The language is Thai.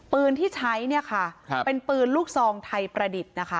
ปืนที่ใช้เนี่ยค่ะเป็นปืนลูกซองไทยประดิษฐ์นะคะ